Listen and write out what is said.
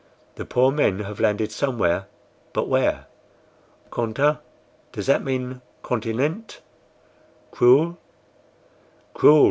The poor men have landed somewhere; but where? CONTIN does that mean continent? CRUEL!" "CRUEL!"